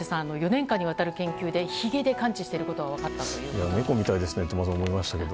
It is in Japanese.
４年間にわたる研究でひげで感知していることが分かったということですが。